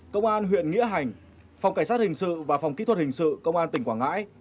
công an huyện nghĩa hành phòng cảnh sát hình sự và phòng kỹ thuật hình sự công an tỉnh quảng ngãi